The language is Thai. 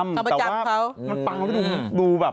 คำประจำเขาแต่ว่ามันปังดูแบบดูแบบ